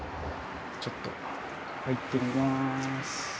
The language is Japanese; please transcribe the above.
ちょっと入ってみます。